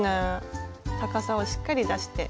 高さをしっかり出して。